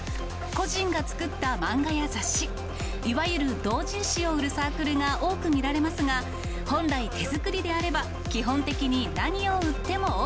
個人が作った漫画や雑誌、いわゆる同人誌を売るサークルが多く見られますが、本来、手作りであれば、基本的に何を売ってもＯＫ。